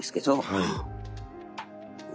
はい。